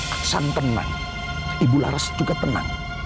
keksan tenang ibu laras juga tenang